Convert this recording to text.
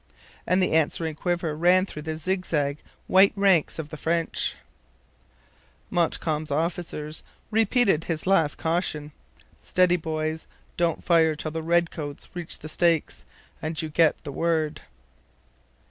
and the answering quiver ran through the zigzag, white ranks of the French, Montcalm's officers immediately repeated his last caution: 'Steady, boys. Don't fire till the red coats reach the stakes and you get the word!'